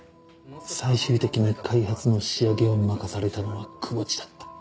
最終的に開発の仕上げを任されたのは窪地だった。